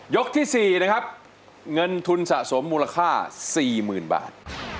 ยกที่๔นะคะเงินทุนสะสมมูลค่า๔หมื่นบาท